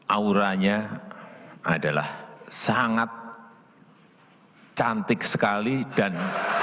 auranya adalah sangat cantik sekali dan